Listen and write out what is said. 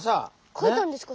かいたんですか？